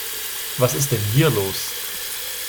Was ist denn hier los?